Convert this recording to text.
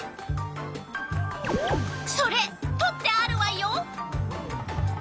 それとってあるわよ！